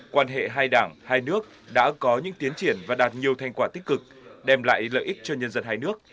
quan hệ hai đảng hai nước đã có những tiến triển và đạt nhiều thành quả tích cực đem lại lợi ích cho nhân dân hai nước